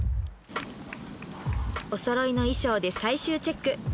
お揃いの衣装で最終チェック